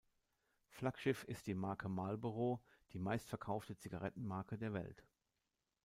Flaggschiff ist die Marke Marlboro, die meistverkaufte Zigarettenmarke der Welt.